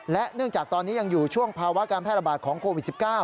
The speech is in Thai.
และเนื่องจากตอนนี้ยังอยู่ช่วงภาวะการแพร่ระบาดของโควิด๑๙